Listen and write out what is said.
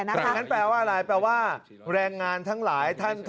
ดังนั้นแปลว่าอะไรแปลว่าแรงงานทั้งหลาย